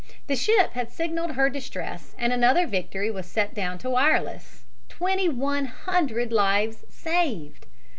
The ship had signaled her distress and another victory was set down to wireless. Twenty one hundred lives saved!